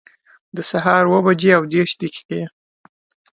د سهار اووه بجي او دیرش دقیقي